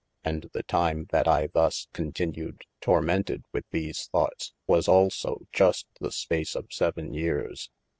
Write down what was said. And the time that I thus con tinued tormented with these thoughts, was also just the space of seven yeares.